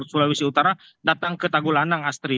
gubernur sulawesi utara datang ke tagulandang astri